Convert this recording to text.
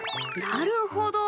なるほど。